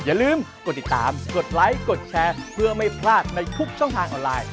อย่าลืมกดติดตามกดไลค์กดแชร์เพื่อไม่พลาดในทุกช่องทางออนไลน์